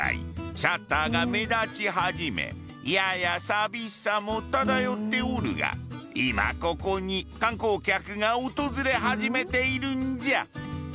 シャッターが目立ち始めやや寂しさも漂っておるが今ここに観光客が訪れ始めているんじゃ。